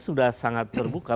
sudah sangat terbuka